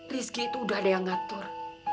rizki itu udah ada yang ngatur